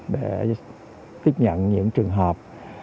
để tiếp nhận những trường hợp